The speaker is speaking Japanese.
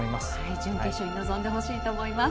準決勝に臨んでほしいと思います。